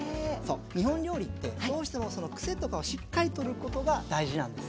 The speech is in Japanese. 日本料理ってどうしてもクセとかをしっかり取ることが大事なんです。